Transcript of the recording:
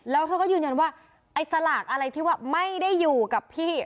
แล้วเธอก็ยืนยันว่าไอ้สลากอะไรที่ว่าไม่ได้อยู่กับพี่